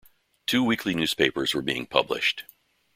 Two weekly newspapers were being published.